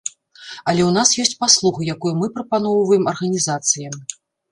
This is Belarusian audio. Але ў нас ёсць паслуга, якую мы прапаноўваем арганізацыям.